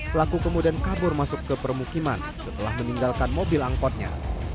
pelaku kemudian kabur masuk ke permukiman setelah meninggalkan mobil angkotnya